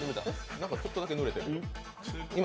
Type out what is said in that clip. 何かちょっとだけぬれてる。